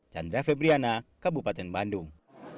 chandra febriana kabupaten bandung